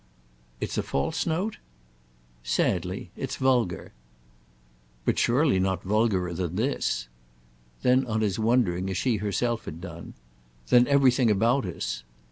"It's a false note?" "Sadly. It's vulgar." "But surely not vulgarer than this." Then on his wondering as she herself had done: "Than everything about us."